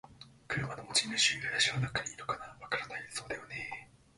「車の持ち主。林の中にいるかな？」「わからない。」「そうだよね。」